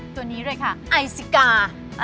ตัวนี้เลยค่ะไอซิกา